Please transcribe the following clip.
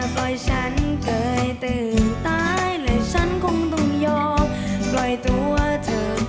ปล่อยฉันเคยตื่นตายเลยฉันคงต้องยอมปล่อยตัวเธอ